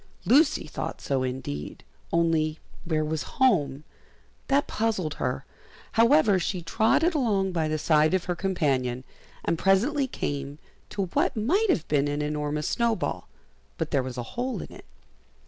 Lucy thought so indeed; only where was home? that puzzled her. However, she trotted along by the side of her companion, and presently came to what might have been an enormous snowball, but there was a hole in it.